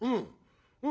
うん。